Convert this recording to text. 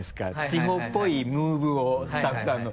地方っぽいムーブをスタッフさんの。